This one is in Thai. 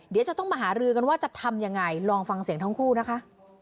เดี๋ยวจะต้องมาหารือกันว่าจะทำยังไงลองฟังเสียงทั้งคู่นะคะ